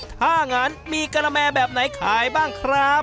ถ้างั้นมีกะละแมแบบไหนขายบ้างครับ